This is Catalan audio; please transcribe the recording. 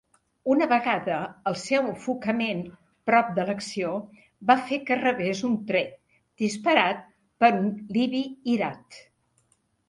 Una vegada, el seu enfocament "prop de l'acció" va fer que rebés un tret, disparat per un "libi irat".